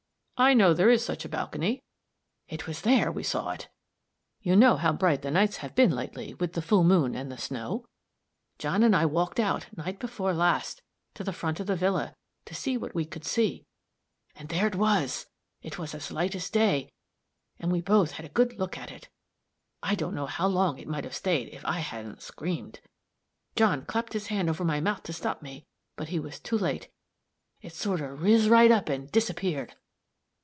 "I know there is such a balcony." "It was there we saw it. You know how bright the nights have been lately, with the full moon and the snow. John and I walked out, night before last, to the front of the villa, to see what we could see and there it was! It was as light as day, and we both had a good look at it. I don't know how long it might have stayed if I hadn't screamed. John clapped his hand over my mouth to stop me, but he was too late; it sort of riz right up and disappeared."